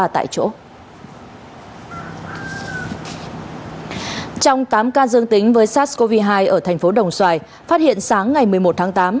trong tám ca dương tính với sars cov hai ở thành phố đồng xoài phát hiện sáng ngày một mươi một tháng tám